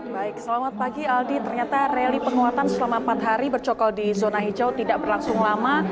baik selamat pagi aldi ternyata rally penguatan selama empat hari bercokol di zona hijau tidak berlangsung lama